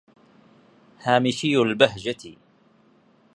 هَامِشَيْ الْبَهْجَةِ